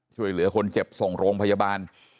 ช่วยเหลือคนเจ็บส่งโรงพยาบาล